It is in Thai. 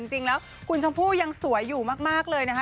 จริงแล้วคุณชมพู่ยังสวยอยู่มากเลยนะคะ